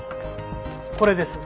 これです。